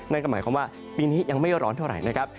นั่นก็หมายความว่าปีนี้ยังไม่ร้อนเท่าไหร่นะครับ